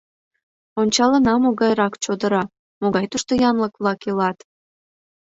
— Ончалына, могайрак чодыра, могай тушто янлык-влак илат?